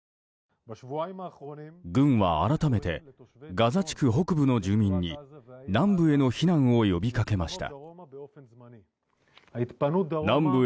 軍は改めてガザ地区北部の住民に南部への避難を呼びかけました。